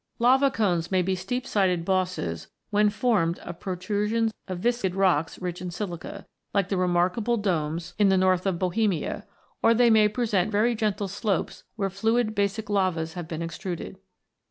Lava cones may be steep sided bosses when formed of protrusions of viscid rocks rich in silica, like the remarkable domes in the north 134 ROCKS AND THEIR ORIGINS [CH. of Bohemia, or they may present very gentle slopes where fluid basic lavas have been extruded.